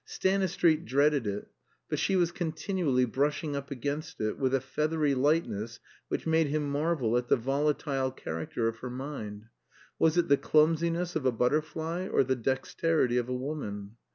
Stanistreet dreaded it; but she was continually brushing up against it, with a feathery lightness which made him marvel at the volatile character of her mind. Was it the clumsiness of a butterfly or the dexterity of a woman?